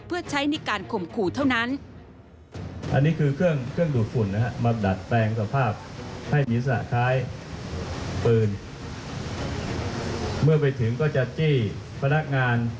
เพื่อใช้ในการข่มขู่เท่านั้น